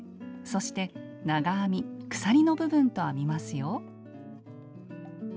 そして長編み・鎖の部分と編みますよ。